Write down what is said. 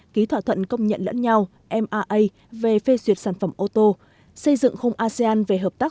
ký thỏa thuận công nhận lẫn nhau mra về phê duyệt sản phẩm ô tô xây dựng không asean về hợp tác